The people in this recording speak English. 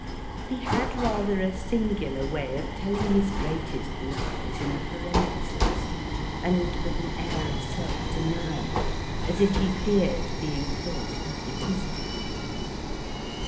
He had rather a singular way of telling his greatest lies in a parenthesis, and with an air of self denial, as if he feared being thought egotistical.